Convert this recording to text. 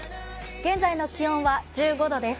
現在の気温は１５度です。